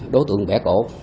đối tượng bẻ cổ